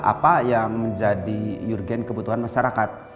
apa yang menjadi urgen kebutuhan masyarakat